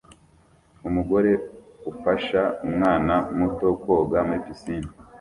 Umugore ufasha umwana muto koga muri pisine